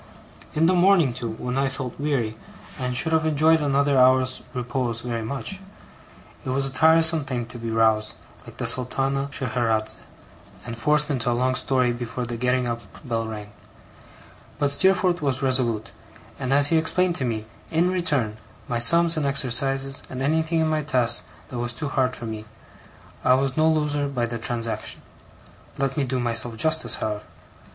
In the morning, too, when I felt weary, and should have enjoyed another hour's repose very much, it was a tiresome thing to be roused, like the Sultana Scheherazade, and forced into a long story before the getting up bell rang; but Steerforth was resolute; and as he explained to me, in return, my sums and exercises, and anything in my tasks that was too hard for me, I was no loser by the transaction. Let me do myself justice, however.